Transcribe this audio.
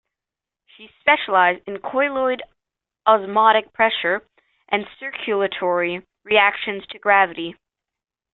She specialized in colloid osmotic pressure and circulatory reactions to gravity.